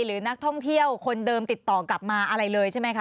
หรือนักท่องเที่ยวคนเดิมติดต่อกลับมาอะไรเลยใช่ไหมคะ